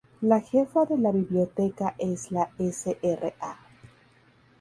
La jefa de la Biblioteca es la Sra.